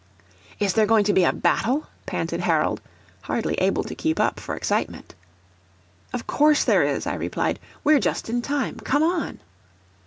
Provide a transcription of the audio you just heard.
"Is there going to be a battle?" panted Harold, hardly able to keep up for excitement. "Of course there is," I replied. "We're just in time. Come on!"